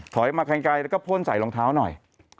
มาไกลแล้วก็พ่นใส่รองเท้าหน่อย